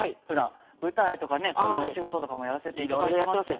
ふだん舞台とかね声のお仕事とかもやらせていただきまして。